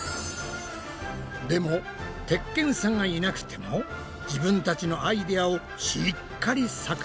でも鉄拳さんがいなくても自分たちのアイデアをしっかり作品に仕上げるのだ！